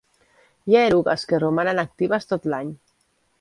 Hi ha erugues que romanen actives tot l'any.